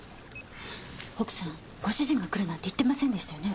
奥さんご主人が来るなんて言ってませんでしたよね？